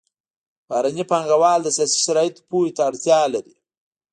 بهرني پانګوال د سیاسي شرایطو پوهې ته اړتیا لري